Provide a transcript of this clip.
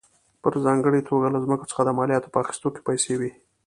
په ځانګړې توګه له ځمکو څخه د مالیاتو په اخیستو کې پیسې وې.